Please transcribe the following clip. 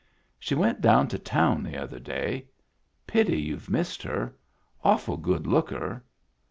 " She went down to town the other day. Pity you've missed her. Awful good looker."